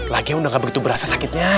lagi udah gak begitu berasa sakitnya